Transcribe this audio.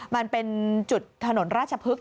มันเป็นจุดถนนราชพฤกษ